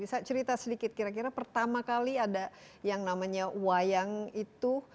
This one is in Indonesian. bisa cerita sedikit kira kira pertama kali ada yang namanya wayang itu